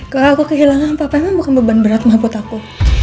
kalau aku kehilangan papa emang bukan beban berat mah buat aku